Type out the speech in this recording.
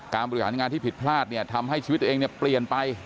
บริหารงานที่ผิดพลาดเนี่ยทำให้ชีวิตตัวเองเนี่ยเปลี่ยนไป